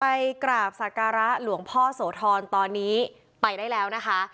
ไปกราบสักการะหลวงพ่อโสธรตอนนี้ไปได้แล้วนะคะ